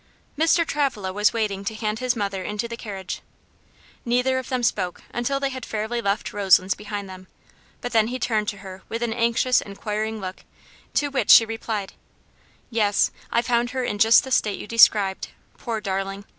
Mr. Travilla was waiting to hand his mother into the carriage. Neither of them spoke until they had fairly left Roselands behind them, but then he turned to her with an anxious, inquiring look, to which she replied: "Yes, I found her in just the state you described, poor darling!